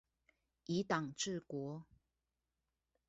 以黨治國